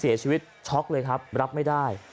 เสียชีวิตช็อคเลยครับรับไม่ได้